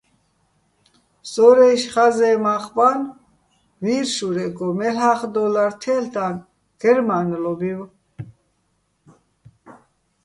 ზორაჲში̆ ღაზეჼ მახ ბანო̆ ვირ შურეგო, მელ'ახ დო́ლარ თე́ლ'დანო̆ გერმა́ნლობივ.